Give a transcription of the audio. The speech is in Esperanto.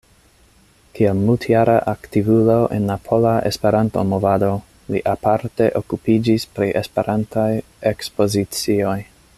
Kiel multjara aktivulo en la pola Esperanto-movado li aparte okupiĝis pri Esperantaj ekspozicioj.